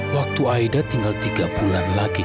waktu aida tinggal tiga bulan lagi